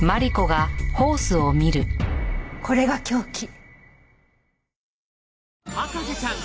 これが凶器。